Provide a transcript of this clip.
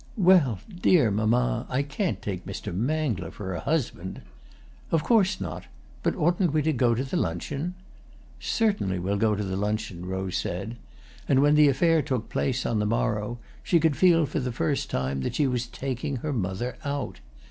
"Well, dear mamma, I can't take Mr. Mangler for a husband." "Of course not. But oughtn't we to go to the luncheon?" "Certainly we'll go to the luncheon," Rose said; and when the affair took place, on the morrow, she could feel for the first time that she was taking her mother out.